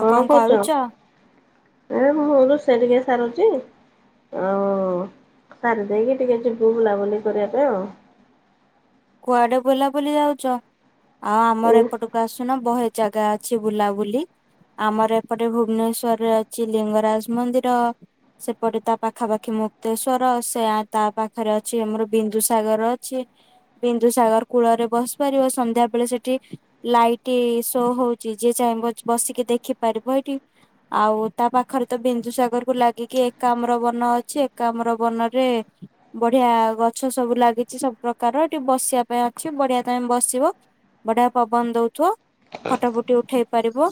ଆଉ କଣ କ କରୁଛ? କରୁଚ? ଏ ମୁଁ ତୁ ସେଠିକି ସାରଛି [unintelligible] ଆଉ ସାରି ଦେଇକି ଟିକେ ଯିବୁ ବୁଲାବୁଲି କରିବା ପାଇଁ ଆଉ। କୁଆଡେ ବୁଲାବୁଲି ଯାଉଚ ଆଉ ଉଁ ଆମର ଏପଟକୁ ଆସୁ ଣ ବହେ ଜାଗା ଅଛି ବୁଲାବୁଲି! ଆମର ଏପଟେ ଭୁବନେଶ୍ଵରରେ ଅଛି ଲିଙ୍ଗରାଜ ମନ୍ଦିର। ସେପଟେ ତା ପାଖାପାଖି ମୁକ୍ତେଶ୍ଵର, ସେ ତା ପାଖରେ ଅଛି ଆମର ବିନ୍ଦୁ ସାଗର ଅଛି। ବିନ୍ଦୁ ସାଗର କୂଳରେ ବସି ପାରିବ! ସନ୍ଧ୍ୟାବେଳେ ସେଠି ଲାଇଟ୍ ଶୋ ହଉଛି, ଯିଏ ଚାହିଁବ ବସିକି ଦେଖିପାରିବ ଏଇଠି। ଆଉ ତା ପାଖରେ ତ ବିନ୍ଦୁ ସାଗରକୁ ଲାଗିକି ଏକାମ୍ର ବନ ଅଛି! ଏକାମ୍ର ବନରେ ବଢିଆ ଗଛ ସବୁ ଲାଗିଚି, ସବୁ ପ୍ରକାର ଟିକେ ବସିବା ପାଇଁ ଅଛି, ବଢିଆ ତମେ ବସିବ। ବଢିଆ ପବନ ଦଉଥଉ! ଫଟ ଫୁଟି ଉଠେଇ ପାରିବ।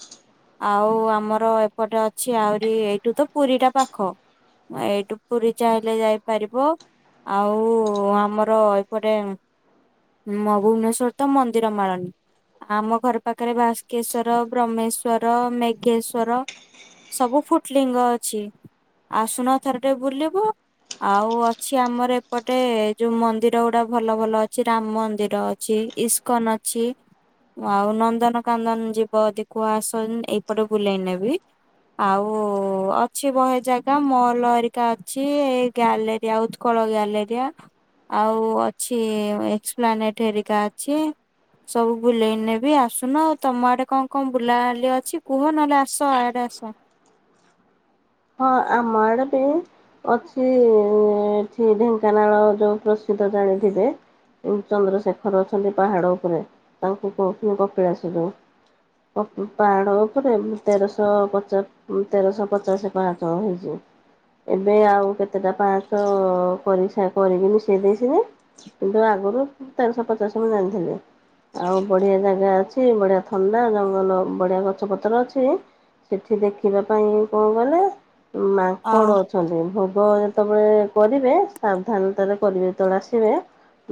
ଆଉ ଆମର ଏପଟେ ଅଛି, ଆହୁରି ଏଇଠୁ ତ ପୁରୀଟା ପାଖ! ଏଇଟୁ ପୁରୀ ଚାହିଁଲେ ଯାଇପାରିବ। ଆଉ ଆମର ଏପଟେ ମହୁମେଶ୍ଵତ ମନ୍ଦିର ମାଳନୀ। ଆମ ଘର ପାଖରେ ବାସ୍କେଶ୍ଵର ବ୍ରହ୍ମେଶ୍ଵର ମେଘେଶ୍ଵର ସବୁ ଫୁଟଲିଙ୍ଗ ଅଛି, ଆସୁନ ଥରଟେ ବୁଲିବ! ଆଉ ଅଛି ଆମର ଏପଟେ ଯୋଉ ମନ୍ଦିର ଗୁଡା ଭଲ ଭଲ ସେ ରାମ ମନ୍ଦିର ଅଛି, ଇସ୍କନ ଅଛି। ଆଉ ନନ୍ଦନକାନନ ଯିବ ଦିକୁଅ ଆସ ଏଇପଟେ ବୁଲେଇ ନେବି। ଆଉ ଅଛି ବହେ ଜାଗା ମଲ ଏରିକା ଅଛି! ଏ ଗ୍ୟାଲେରିଆ ଉତ୍କଳ ଗ୍ୟାଲେରିଆ ଆଉ ଅଛି। ଏକ୍ସପ୍ଲାନେଟ ହେରିକା ଅଛି। ସବୁ ବୁଲେଇ ନେବି ଆସୁନ ଆଉ ତମ ଆଡେ କଣ କଣ ବୁଲାଗାଲି ଅଛି! କୁହ ନହେଲେ ଆସ ଇଆଡେ ଆସ। ହ ଆମ ଆଡେ ଵି ଅଛି ଏଁ ଏଠି ଢେଙ୍କାନାଳ ଯୋଉ ପ୍ରସିଦ୍ଧ ଜାଣିଥିବେ। ଚନ୍ଦ୍ରଶେଖର ଅଛନ୍ତି ପାହାଡ଼ ଉପରେ ତାଙ୍କୁ କହୁଚନ୍ତି କପିଳାସ ଯୋଉ! ଅ ପାହାଡ଼ ଉପରେ ତେରଶହ ପଚାଶ ଉଁ ତେରଶହ ପଚାଶେ। ପାହାଚ ହେଇଚି! ଏବେ ଆଉ କେତେଟା ପାହଚ କରି ସା କରିକି ମିଶେଇ ଦେଇସିନ୍ତି। କିନ୍ତୁ ଆଗରୁ ହୁଁ ତେରଶହ ପଚାଶ ମୁଁ ଜାଣିିଥିଲି। ଆଉ ବଢିଆ ଜାଗା ଅଛି, ବଢିଆ ଥଣ୍ଡା ଜଙ୍ଗଲ ବଢିଆ ଗଛ ପତ୍ର ଅଛି। ସେଠି ଦେଖିବା ପାଇଁ କଣ ଗଲେ ଅ ମାଙ୍କଡ ଅଛି। ଛନ୍ତି ଭୋଗ ଯେତେବେଳେ କରିବେ ସାବଧାନତାରେ କରିବେ! ଯେତେବେଳେ ଆସିବେ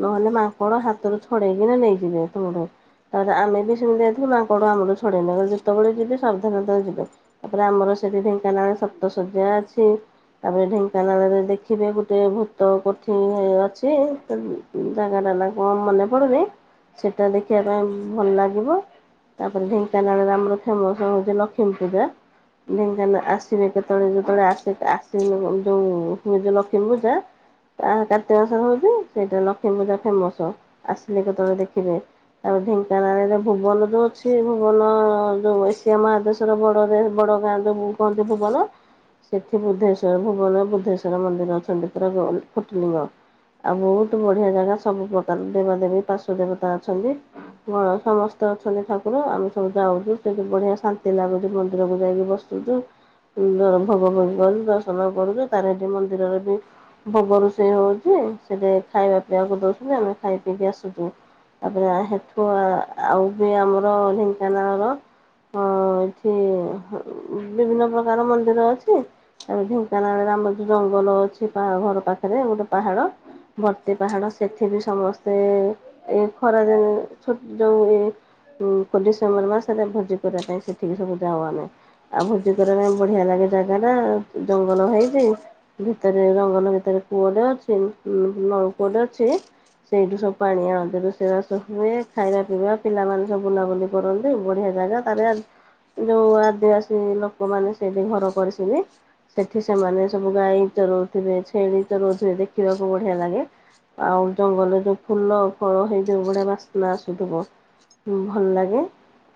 ନହେଲେ ମାଙ୍କଡ ହାତରୁ ଛଡେଇକିନା ନେଇଯିବେ ତମଠୁ। ତାପରେ ଆମେ ବି ସେମିତି ଯାଇଥିଲି ମାଙ୍କଡ ଆମଠୁ ଛଡେଇ ନଲେ, ଯେତେବେଳେ ଯିବେ ସାବଧାନତା ଯିବେ। ତାପରେ ଆମର ସେଠି ଢେଙ୍କାନାଳରେ ସପ୍ତସଯ୍ୟା ଅଛି। ତାପରେ ଢେଙ୍କାନାଳରେ ଦେଖିବେ ଗୋଟେ ଭୂତ କୋଠି ଏ ଅଛି। ତେମ୍ ଜାଗାଟା ନା କଣ ମନେ ପଡୁନି, ସେଇଟା ଦେଖିବା ପାଇଁ ଭଲ ଲାଗିବ। ତାପରେ ଢେଙ୍କାନାଳରେ ଆମର ଫେମସ ହଉଚି ଲକ୍ଷ୍ମୀ ପୂଜା। ଢେଙ୍କାନାଳ ଆସ ସିଏ କେତେବେଳେ ଯେତେବେଳେ ଆସେ, ଆସିନ ଯୋଉ ହୁଏଯେ ଲକ୍ଷ୍ମୀ ପୂଜା। ଆ କାର୍ତ୍ତିକ ମାସ ହଉଚି ସେଇଟା ଲକ୍ଷ୍ମୀ ପୂଜା ଫେମସ! ଆସିଲେ କେତେବେଳେ ଦେଖିବେ! ଆଉ ଢେଙ୍କାନାଳରେ ଭୁବନ ଯୋଉ ଅଛି, ଭୁବନ ଯୋଉ ଏସିଆ ମହାଦେଶ ଦେଶର ବଡରେ ବଡ ଗାଁ ଟାକୁ କୁହନ୍ତି ଭୁବନ। ସେଠି ବୁଦ୍ଧେଶ୍ୱର ଭୁବନରେ ବୁଦ୍ଧେଶ୍ୱର ମନ୍ଦିର ଅଛନ୍ତି ପୁରା ଗ ଫୁଟିଲିଙ୍ଗ। ଆଉ ବହୁତ ବଢିଆ ଜାଗା, ସବୁ ପ୍ରକାର ଦେବା ଦେବୀ ପାର୍ଶ୍ୱ ଦେବତା ଅଛନ୍ତି। ହଁ ସମସ୍ତେ ଅଛନ୍ତି ଠାକୁର ଆମେ ସବୁ ଯାଉଛୁ ସେଠି ବଢିଆ ଶାନ୍ତି ଲାଗୁଚି ମନ୍ଦିରକୁୁ ଯାଇକି ବସୁ! ସେଇଠୁ [unintelligible] ଦର୍ଶନ କରୁଛୁ ତାର ଏଠି ମନ୍ଦିରରେ ବି ଭୋଗ ରୋଷେଇ ହଉଛି ସେଠେ ଖାଇବା ପିଇବାକୁ ଦଉଛନ୍ତି ଆମେ ଖାଇ ପିଇକି ଆସୁଛୁ। ତାପରେ ହେଠୁ ଆଉ ବି ଆମର ଢେଙ୍କାନାଳର ହଁ ସେ ବିଭିନ୍ନ ପ୍ରକାର ମନ୍ଦିର ଅଛି। ଆଉ ଢେଙ୍କାନାଳରେ ଆମର ଯୋଉ ଜଙ୍ଗଲ ଅଛି ପା ଘର ପାଖରେ ଗୋଟେ ପାହାଡ। ଭର୍ତ୍ତେ ପାହାଡ ସେଠି ବି ସମସ୍ତେ ଏ ଖରାଦିନ ଛୁଟି ଯଉ ଏ ଡିସେମ୍ବର ମାସରେ ଭୋଜି କରିବା ପାଇଁ ସେଠିକି ସବୁ ଯାଉ ଆମେ ଆଉ ଭୋଜି କରିବା ପାଇଁ। ବଢିଆ ଲାଗେ ଜାଗା ଟା ଜଙ୍ଗଲ ହେଇଛି ଭିତରେ ଜଙ୍ଗଲ ଭିତରେ କୂଅଟେ ଅଛି ନଳ କୂଅଟେ ଅଛି। ସେଇଠୁ ସବୁ ପାଣି ଆଣନ୍ତି ରୋଷେଇ ବାସ ହୁଏ ଖାଇବା ପିଇବା ପିଲାମାନେ ସବୁ ବୁଲାବୁଲି କରନ୍ତି ବଢ଼ିଆ ଜାଗା ତାରେ ଯୋଉ ଆଦିବାସୀ ଲୋକମାନେ ସେଠି ଘର କରିସନ୍ତି। ସେଠି ସେମାନେ ସବୁ ଗାଈ ଚରଉଥିବେ ଛେଳି ଚରଉଥିବେ ଦେଖିବାକୁ ବଢିଆ ଲାଗେ। ଆଉ ଜଙ୍ଗଲରେ ଯୋଉ ଫୁଲ ଫଳ ହେଇଯୋଉ ବଢ଼ିଆ ବାସ୍ନା ଆସୁଥିବ। ଭଲ ଲାଗେ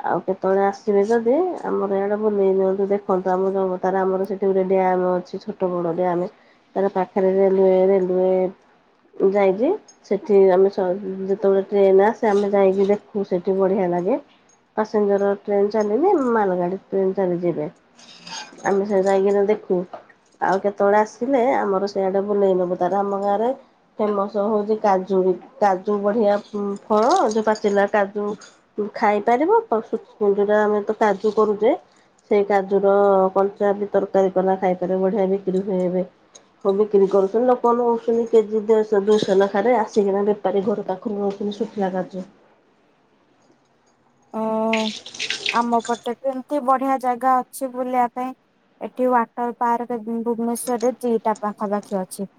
ଆଉ କେତେବେଳେ ଆସିବେ ଯଦି ଆମରଇଆଡେ ବୁଲେଇ ନିିଅନ୍ତୁ ଦେଖ ଦେଖନ୍ତୁ ଆମ ଜନ୍ମ ତାର ଆମର ସେଠି ଗୋଟେ ଡ୍ୟାମ ଅଛି ଛୋଟ ବଡ ଡ୍ୟାମେ ତାର ପାଖରେ ରେଲୱ ରେଲୱ ଯାଇଛି। ସେଠି ଆମେ ସ ଯେତେବେଳେ ଟ୍ରେନ ଆସ ଆମେ ଯାଇକି ଦେଖୁ ସେଠି ବଢିଆ ଲାଗେ। ପାସେଞ୍ଜର ଟ୍ରେନ୍ ଚାଲିନି ମାଲଗାଡ଼ି ଟ୍ରେନ୍ ଚାଲିଯିବେ। ଆମେ ସେ ଯାଇକିନା ଦେଖୁ ଆଉ କେତେବେଳେ ଆସିଲେ ଆମର ସେଇଆଡେ ବୁଲେଇ ନବୁ ତାର ଆମ ଗାଁ ରେ ଫେମସ ହଉଛି କାଜୁ କାଜୁ ବଢିଆ ଫଳ ଯୋଉ ପାଚିଲା କାଜୁ ଖାଇପାରିବ ତ ଯଉଟା ଆମେ ତ କାଜୁ କରୁଛେ। ସେଇ କାଜୁର କଞ୍ଚା ବି ତରକାରୀ କରିନା ଖାଇପାରିଏ ବଢିଆ ବିକ୍ରି ହୁଏ ଏବେ ସବୁ ବିକ୍ରି କରୁଛନ୍ତି ଲୋକମାନେ ନଉଛନ୍ତି କେଜି ଦେଡ୍ ଶହ ଦୁଇଶହ ନେଖାରେ ଆସିକିନା ଏଠି [unintelligible] ଉଁ ଆମ ପଟେ କେମତି ବଢିଆ ଜାଗା ଅଛି ବୁଲିବା ପାଇଁ ଏଠି ୱାଟର ପାର୍କ ଭୁବନେଶ୍ଵରରେ ଦିଟା ପାଖାପାଖି ଅଛି।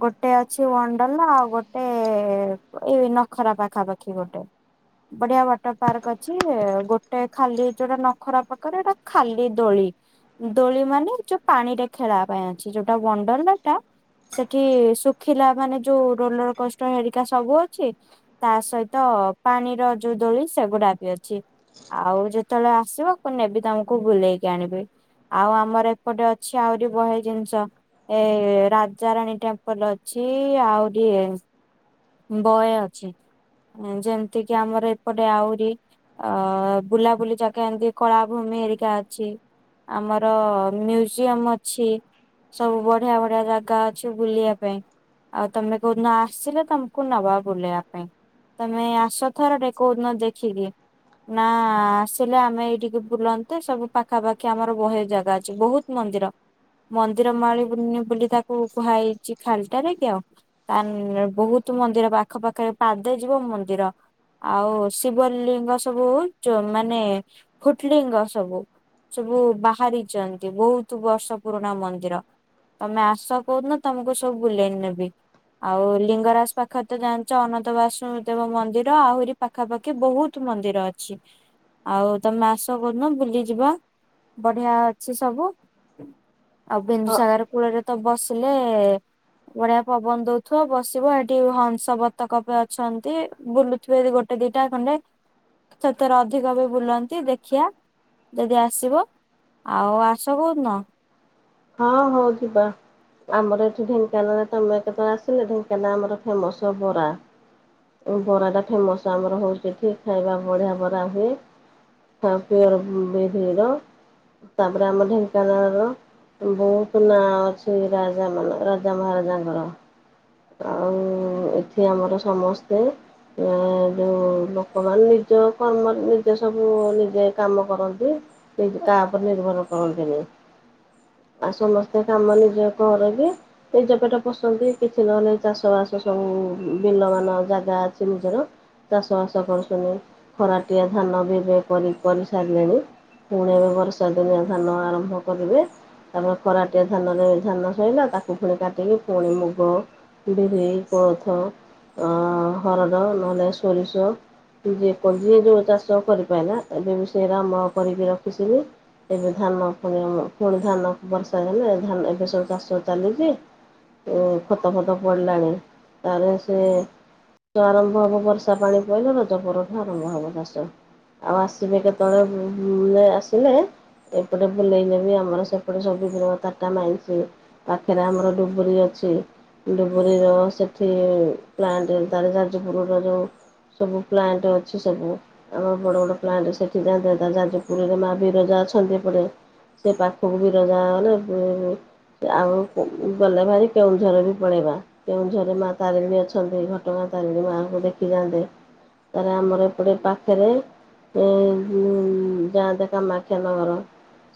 ଗୋଟେ ଅଛି ୱାଣ୍ଡ୍ରେଲା ଆଉ ଗୋଟେ ଏଇ ନଖରା ପାଖାପାଖି ଗୋଟେ ବଢିଆ ବାଟ ପାର୍କ ଅଛି ଗୋଟେ ଖାଲି ଯୋଉଟା ନଖରା ପାଖରେ ଏଟା ଖାଲି ଦୋଳି ଦୋଳି ମାନେ ଯୋଉ ପାଣି ରେ ଖେଳିବା ପାଇଁ ଅଛି ଯୋଉଟା ବଣ୍ଡଲ ଟା ସେଠି ଶୁଖିଲା ମାନେ ଯୋଉ ରୋଲର କଷ୍ଟ ହେରିକା ସବୁ ଅଛି। ତା ସହିତ ପାଣିର ଯୋଉ ଦୋଳି ସେଗୁଡା ବି ଅଛି। ଆଉ ଯେତେବେଳେ ଆସିବ କୁ ନେବି ତମକୁ ବୁଲେଇକି ଆଣିବି। ଆଉ ଆମର ଏପଟେ ଅଛି ଆହୁରି ବହେ ଜିନିଷ ଏ ରାଜାରାଣୀ ଟେମ୍ପଲ ଅଛି ଆହୁରିଏ ବୟ ଅଛି ଯେମିତି କିି ଆମର ଏପଟେ ଆହୁରି ଅ ବୁଲାବୁଲି ଜାଗା ଏମିତି କଳାଭୂମି ଏରିକା ଅଛି। ଆମର ମ୍ୟୁଜିୟମ ଅଛି। ସବୁ ବଢିଆ ବଢିଆ ଜାଗା ଅଛି ବୁଲିବା ପାଇଁ ଆଉ ତମେ କୋଉଦିନ ଆସିଲେ ତମେ କୁ ନବା ବୁଲେଇବା ପାଇଁ ତମେ ଆସଥର ଟେ କଉଦିନ ଦେଖିକି ନା ଆସିଲେ ଆମେ ଏଇଠିକେ ବୁଲନ୍ତେ ସବୁ ପାଖାପାଖି ଆମର ବହେ ଜାଗା ଅଛି ବହୁତ ମନ୍ଦିର ମନ୍ଦିର ମାଳି ବୁନି ବୁଲି ତାକୁ କୁହାଯାଇଛି ଖାଲିଟାରେ କି ଆଉ ପାନ ବହୁତ ମନ୍ଦିର ପାଖ ପାାଖରେ ପାଦେ ଯିବ ମନ୍ଦିର ଆଉ ଶିବଲିଙ୍ଗ ସବୁ ଚ ମାନେ ଫୁଟଲିଙ୍ଗ ସବୁ ସବୁ ବାହାରିଛନ୍ତି ବହୁତ ବର୍ଷ ପୁରୁଣା ମନ୍ଦିର। ତମେ ଆସ କଉଦିନ ତମକୁ ସବୁ ବୁଲେଇ ନେବି ଆଉ ଲିଙ୍ଗରାଜ ପାଖ ତ ଜାଣିଛ ଅନନ୍ତ ବାସୁ ଦେବ ମନ୍ଦିର ଆହୁରି ପାଖାପାଖି ବହୁତ ମନ୍ଦିର ଅଛି। ଆଉ ତମେ ଆସ କଉଦିନ ବୁଲି ଯିବା ବଢିଆ ଅଛି ସବୁ ଆଉ ହଁ ବିନ୍ଦୁସାଗର କୂଳରେ ତ ବସିଲେ ବଢିଆ ପବନ ଦଉଥିବ ବସିବ ଏଠ ଟୁ ହଂସ ବତକ ବି ଅଛନ୍ତି ବୁଲୁଥିବେ ଯଦି ଗୋଟେ ଦିଟା ଖଣ୍ଡେ ସେଥିରେ ଅଧିକ ବି ବୁଲନ୍ତି ଦେଖିିଆ ଯଦି ଆସିବ ଆଉ ଆସ କୋଉ ଦିନ ହଁ ହଁ ଯିବା। ଆମର ଏଠି ଢେଙ୍କାନାଳ ରେ ତମେ କେତେବେଳେ ଆସିଲ ଢେଙ୍କାନା ଆମର ଫେମସ ବରା ବରାଟା ଫେମସ୍ ଆମର ହେଉଛି ଏଠି ଖାଇବା ବଢ଼ିଆ ବରା ହୁଏ। ଥାଉ ପିଓର ବିଧର ତାପରେ ଆମ ଢେଙ୍କାନାଳର ବହୁତ ନାଁ ଅଛି ରାଜା ମାନ ରାଜା ମହାରାଜାଙ୍କର। ଆଉ ଏଠି ଆମର ସମସ୍ତେ ଏ ଯୋଉ ଲୋକମାନେ ନିଜ କର୍ମରେ ନିଜେ ସବୁ ନିଜେ କାମ କରନ୍ତି। କେହି ତ କା ଉପରେ ନିର୍ଭର କରନ୍ତିନି। ଆଉ ସମସ୍ତେ କାମ ନିଜେ କରନ୍ତି। ନିଜ ପେଟ ପୋଷନ୍ତି କିଛି ନହେଲେ ଚାଷ ବାସ ସବୁ ବିଲବାନ ଜାଗା ଅଛି ନିଜର। ଚାଷ ବାସ କରୁସୁନି ଖରାଟିଏ ଧାନ ବି ଏବେ କରି କରିସାରିଲେଣି। ପୁଣି ଏବେ ବର୍ଷା ଦିନିଆ ଧାନ ଆରମ୍ଭ କରିବେ। ତାପରେ କରାଟିଆ ଧାନରେ ଧାନ ଶୋଇଲା ତାକୁ ପୁଣି କାଟିକି ପୁଣି ମୁଗ ବିରି, କୋଳଥ, ଅ ହରଡ ନହଲେ ସୋରିଷ ଯ ଯିଏ ଯୋଉ ଚାଷ କରିପାଇଲା ଏବେ ବି ସେରା ଅମଳ କରିକି ରଖିସିି ଏବେ ଧାନ ପୁଣି ଅମ୍ ପୁଣି ଧାନ ବର୍ଷା ହେଲେ ଧାନ ଏବେ ସବୁ ଚାଷ ଚାଲିଛି। ତୋ ଖତ ଫତ ପଡ଼ିଲାଣି ତାରେ ସେ ଆରମ୍ଭ ହବ ବର୍ଷା ପାଣି ପାଇଲେ ରଜ ପରଠୁ ଆରମ୍ଭ ହବ ଚାଷ। ଆଉ ଆସିବେ କେତେବେଳେ ବୁ ଆସିଲେ ଏପଟେ ବୁଲେଇ ନେବି ଆମର ସେ ଏପଟେ ସବୁ ଦର ତାରଟା ମାଇନ୍ସି ପାଖରେ ଆମର ଡୁବୁରି ଅଛି। ଡୁବୁରିର ସେଠି ପ୍ଲାଣ୍ଟ ତାର ଯାଜପୁରର ଯେଉଁ ସବୁ ପ୍ଲାଣ୍ଟ ଅଛି ସବୁ। ଆମ ବଡ଼ ବଡ଼ ପ୍ଲାଣ୍ଟ ସେଠି ଯାଆନ୍ତେ ଯା ଯାଜ୍ ପୁରୀରେ ମା ବିରଜା ଅଛନ୍ତି ଏପଟେ ସେ ପାଖ ପକୁ ବି ରଜା ଗଲେ ଆଉ ଗଲେ ଭାରି କେଉଁଝର ବି ପଳେଇବା। କେଉଁଝରେ ମା ତାରିଣୀ ଅଛନ୍ତି ଘଟଗାଁ ତାରିଣୀ ମାଆଙ୍କୁ ଦେଖି ଯାଆନ୍ତେ। ତାର ଆମର ଏପଟେ ପାଖରେ ଏ ଯାହା ଦେଖ ମାଖିଆମଘର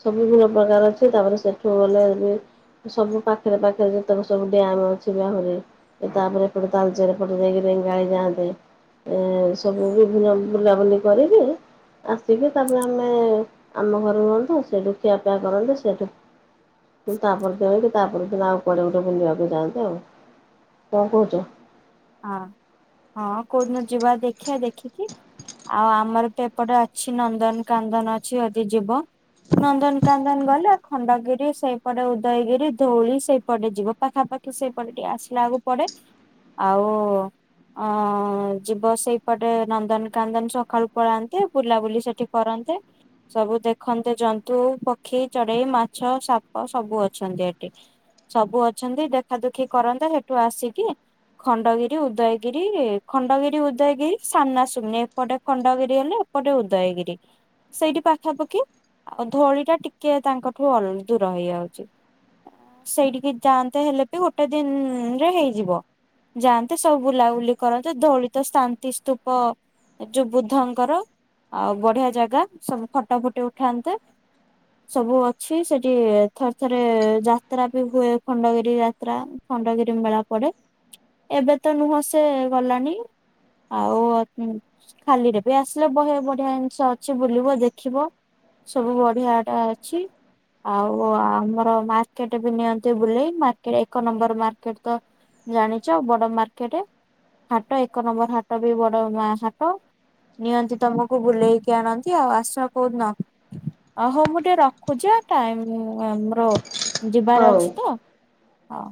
ସବୁଦିନ। ପ୍ରକାର ଅଛି ତାପରେ ସେଠୁ ଗଲେ ସବୁ ପାଖରେ ପାଖରେ ଯେତେକ ସବୁ ଡ୍ୟାମ ଅଛି ବାହୁରେ। ତାପରେ ଏପଟେ ତାଲଚରେ ପଟେ ଦେଇକି ରେଙ୍ଗାଳି ଯାଆନ୍ତେ। ଏ ସବୁ ବିଭିନ୍ନ ବୁଲାବୁଲି କରିବି ଆସିକି ତାପରେ ଆମେ ଆମ ଘରେ ରୁହନ୍ତୁ ସେଠୁଖିଆ ଜା କରନ୍ତ ସେଠୁ କିନ୍ତୁ ତାପରେ ଦେକି ତାପ [unintelligible] ଆଉ କୁଆଡ଼େ ଗୋଟେ ବୁଲିବାକୁ ଯାଆନ୍ତେ ଆଉ କଣ କହୁଛ? ହଁ ହଁ କୋଉଦିନ ଯିବା ଦେଖିବା ଦେଖିକି। ଆଉ ଆମର ତ ଏପଟେ ଅଛି ନନ୍ଦନ କାନ୍ଦନ ଅଛି ଯଦି ଯିବ ନନ୍ଦନକାନନ ଗଲେ ଖଣ୍ଡଗିରି ସେଇପଟେ ଉଦୟଗିରି, ଧଉଳି ସେଇପଟେ ଯିବ। ପାଖାପାଖି ସେଇପଟ ଟିକେ ଆସିଲା ବେଳକୁ ପଡେ। ଆଉ ଅ ଯିବ ସେଇପଟେ ନନ୍ଦନକାନନ ସକାଳୁ ପଳାନ୍ତି। ବୁଲାବୁଲି ସେଠି କରନ୍ତେ। ସବୁ ଦେଖନ୍ତେ ଜନ୍ତୁ, ପକ୍ଷୀ, ଚଢେଇ, ମାଛ, ସାପ ସବୁ ଅଛନ୍ତି ଏଠି। ସବୁ ଅଛନ୍ତି ଦେଖା ଦୁଖି କରନ୍ତେ ସେଠୁ ଆସିକି ଖଣ୍ଡଗିରି, ଉଦୟଗିରି, ଖଣ୍ଡଗିରି, ଉଦୟଗିରି ସାମନାସୁମ୍ନି ଏପଟେ ଖଣ୍ଡଗିରି ହେଲେ ଏପଟେ ଉଦୟଗିରି। ସେଇଠି ପାଖାପାଖି ଆଉ ଧଉଳି ଟା ଟିକେ ତାଙ୍କଠୁ ଅଲ୍ ଦୂର ହେଇଯାଉଚି। ଆ ସେଇଠିକି ଯାଆନ୍ତେ ହେଲେ ବି ଗୋଟେ ଦିନରେ ହେଇଯିବ। ଯାଆନ୍ତେ ସବୁ ବୁଲାବୁଲି କରନ୍ତେ ଧଉଳି ତ ଶାନ୍ତି ସ୍ତୂପ ଯୋଉ ବୁଦ୍ଧଙ୍କର, ଆଉ ବଢିଆ ଜାଗା ସବୁ ଫଟ ଫୁଟି ଉଠାନ୍ତେ। ସବୁ ଅଛି ସେଠି ଥରେ ଥରେ ଯାତ୍ରା ବି ହୁଏ ଖଣ୍ଡଗିରି ଯାତ୍ ତ୍ରା ଖଣ୍ଡଗିରି ମେଳା ପଡେ। ଏବେ ତ ନୁହଁ ସେ ଗଲାଣି। ଆଉ ଅତିନ ଖାଲିରେ ବି ଆସିଲେ ବହେ ବଢିଆ ଜିନିଷ ଅଛି ବୁଲିବ ଦେଖିବ। ସବୁ ବଢିଆ ଟା ଅଛି। ଆଉ ଆମର ମାର୍କେଟ ବି ନିଅନ୍ତି ବୁଲେଇ। ମାର୍କେଟ ଏକ ନମ୍ବର ମାର୍କେଟ ତ ଜାଣିଚ ବଡ ମାର୍କେଟେ। ହାଟ ଏକ ନମ୍ବର ହାଟ ବି ବଡ ମା ହାଟ। ନିଅନ୍ତି ତମକୁ ବୁଲେଇକି ଆଣନ୍ତି ଆଉ ଆସ କଉ ଦିନ। ଓହୋ ମୁଁ ଟିକେ ରଖୁଚି ହାଁ ଟାଇମ ଆମର ଯିବାର ହଉ ଅଛି ତ ହଉ।